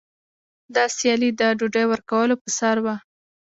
دا سیالي د ډوډۍ ورکولو په سر وه.